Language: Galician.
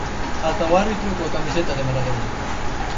Ata o árbitro coa camiseta de Maradona.